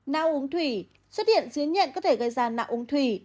não uống thủy xuất hiện dưới nhện có thể gây ra não uống thủy